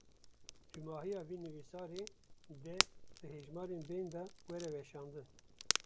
Dûmahiya vê nivîsarê, dê di hejmarên bên de were weşandin